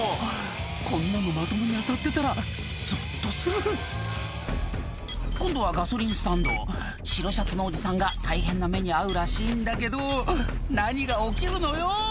こんなのまともに当たってたらぞっとする今度はガソリンスタンド白シャツのおじさんが大変な目に遭うらしいんだけど何が起きるのよ？